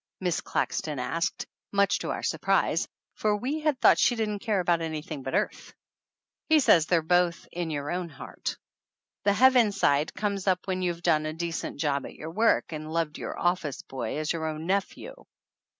Miss Claxton asked, much to our surprise, for we had thought she didn't care about anything but earth. "He says they're both in your own heart. 209 THE ANNALS OF ANN 'The Heaven side comes up when you've done a decent job at your work and loved your office boy as your own nephew